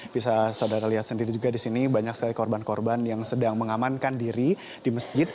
bisa saudara lihat sendiri juga di sini banyak sekali korban korban yang sedang mengamankan diri di masjid